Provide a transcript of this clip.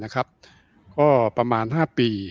ก็ประมาณ๕ปี